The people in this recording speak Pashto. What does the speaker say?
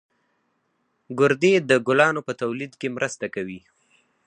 گردې د ګلانو په تولید کې مرسته کوي